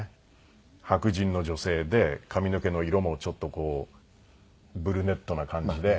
白人の女性で髪の毛の色もちょっとこうブルネットな感じで。